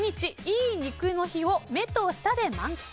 いい肉の日を目と舌で満喫！